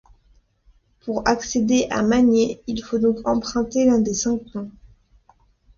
Pour accéder à Magné il faut donc emprunter l'un des cinq ponts.